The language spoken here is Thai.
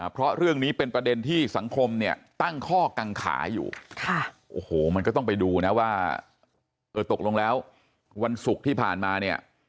เพราะเรื่องนี้เป็นประเด็นที่สังคมเนี่ยตั้งข้อกังขาอยู่โอ้โหมันก็ต้องไปดูนะว่าเออตกลงแล้ววันศุกร์ที่ผ่านมาเนี่ย